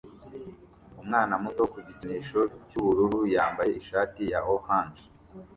Umwana muto ku gikinisho cy'ubururu yambaye ishati ya orange